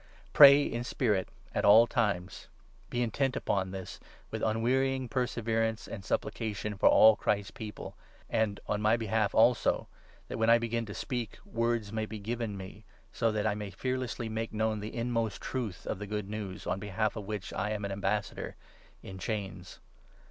Pray in spirit at all times. Be intent upon this, with unwearying perseverance and sup plication for all Christ's People — and on my behalf also, that, when I begin to speak, words may be given me, so that I may fearlessly make known the inmost truth of the Good News, on behalf of which I am an Ambassador— in chains